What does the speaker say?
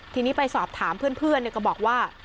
ทีนี้ไปสอบถามเพื่อนก็บอกว่า